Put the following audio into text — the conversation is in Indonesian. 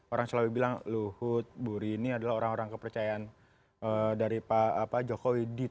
orang selalu bilang luhut buri ini adalah orang orang kepercayaan dari pak jokowi